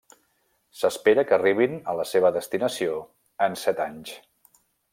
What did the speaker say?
S'espera que arribin a la seva destinació en set anys.